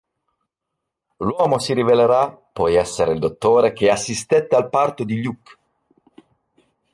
L'uomo si rivelerà poi essere il dottore che assistette al parto di Luke.